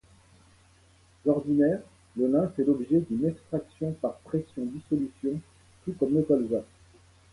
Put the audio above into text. D'ordinaire, le lin fait l'objet d'une extraction par pression-dissolution tout comme le colza.